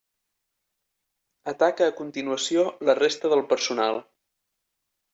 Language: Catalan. Ataca a continuació la resta del personal.